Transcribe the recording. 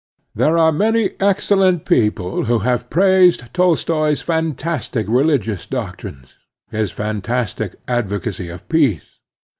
There are many excellent people who have praised Tolstoi's fantastic religious doc trines, his fantastic advocacy of peace.